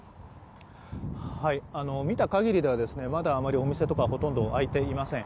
見た限りではですねまだあまりお店とかほとんど空いていません